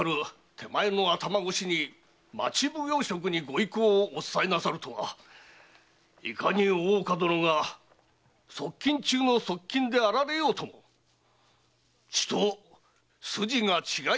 手前の頭越しに町奉行職にご意向を伝えるとはいかに大岡殿が側近中の側近であられようともちと筋が違いましょうかと。